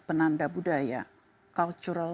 penanda budaya cultural